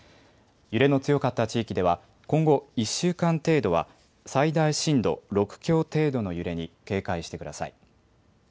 揺れの強かった地域では今後、１週間程度は最大震度６強程度の揺れに警戒してください。